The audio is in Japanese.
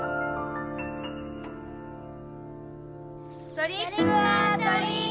トリック・オア・トリート。